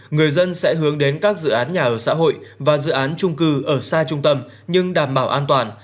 người dân sẽ hướng đến các dự án nhà ở xã hội và dự án trung cư ở xa trung tâm nhưng đảm bảo an toàn